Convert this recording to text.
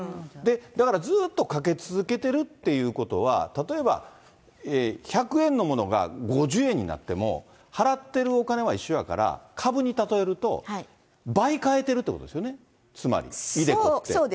で、だからずっとかけ続けてるってことは、例えば１００円のものが５０円になっても、払ってるお金は一緒やから、株に例えると、倍買えてるっていうことですよね、つまり、ｉＤｅＣｏって。